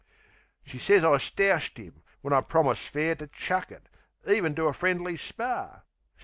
She sez I stoushed 'im, when I promised fair To chuck it, even to a friendly spar.